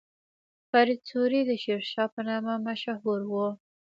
فرید سوري د شیرشاه په نامه مشهور و.